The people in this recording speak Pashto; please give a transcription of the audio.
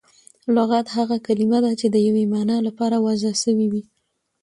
لغت هغه کلیمه ده، چي د یوې مانا له پاره وضع سوی وي.